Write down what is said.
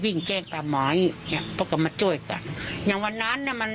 วิ่งแกล้งตามหมายเนี่ยพวกเขามาจ้วยกันยังวันนั้นน่ะมัน